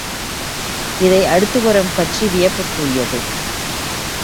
இதை அடுத்து வரும் காட்சி வியப்புக்குரியது.